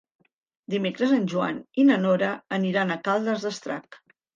Dimecres en Joan i na Nora aniran a Caldes d'Estrac.